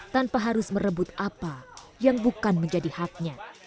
tanpa harus merebut apa yang bukan menjadi haknya